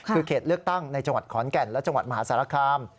คือเขตเลือกตั้งในจังหวัดขอนแก่นและจังหวัดมหาสารคาม